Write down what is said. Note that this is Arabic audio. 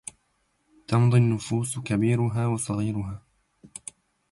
تمضي النفوس كبيرها وصغيرها